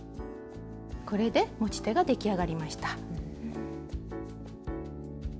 これで持ち手が出来上がりました。